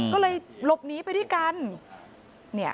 ก็เลยหลบหนีไปด้วยกัน